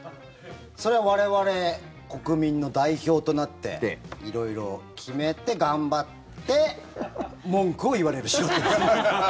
それは我々、国民の代表となって色々、決めて、頑張って文句を言われる仕事です。